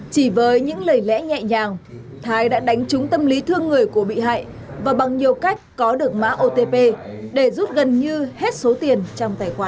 chỉ với những lời lẽ nhẹ nhàng thái đã đánh trúng tâm lý thương người của bị hại và bằng nhiều cách có được mã otp để rút gần như hết số tiền trong tài khoản